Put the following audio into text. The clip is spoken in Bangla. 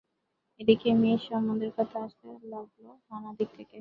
এদিকে মেয়ের সম্বন্ধের কথা আসতে লাগল নানা দিক থেকে।